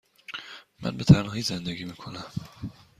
من به تنهایی زندگی می کنم.